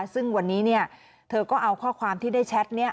ซึ่งวันนี้เธอก็เอาข้อความที่ได้แชทนี้